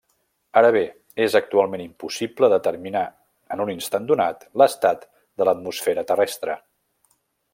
Ara bé, és actualment impossible determinar, en un instant donat, l'estat de l'atmosfera terrestre.